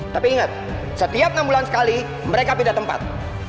tapi inget setiap enam bulan sekali mereka beda tempat